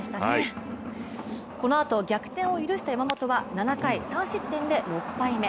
このあと、逆転を許した山本は７回３失点で６敗目。